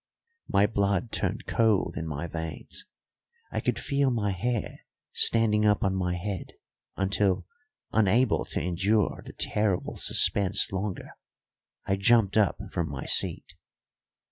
My blood turned cold in my veins; I could feel my hair standing up on my head, until, unable to endure the terrible suspense longer, I jumped up from my seat.